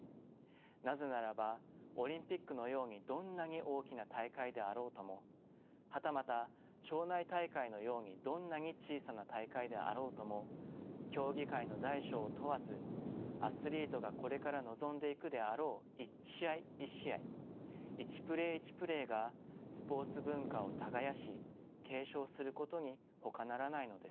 なぜならばオリンピックのようにどんなに大きな大会であろうともはたまた町内大会のようにどんなに小さな大会であろうとも競技会の大小を問わずアスリートがこれから臨んでいくであろう一試合一試合一プレー一プレーがスポーツ文化を耕し継承することにほかならないのですから。